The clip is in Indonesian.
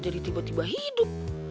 jadi tiba tiba hidup